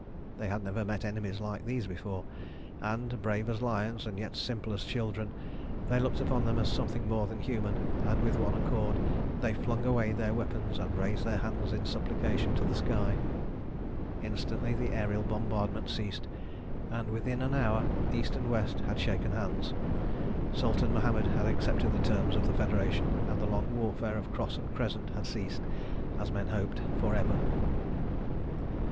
They had never met enemies like these before, and, brave as lions and yet simple as children, they looked upon them as something more than human, and with one accord they flung away their weapons and raised their hands in supplication to the sky. Instantly the aërial bombardment ceased, and within an hour East and West had shaken hands, Sultan Mohammed had accepted the terms of the Federation, and the long warfare of Cross and Crescent had ceased, as men hoped, for ever.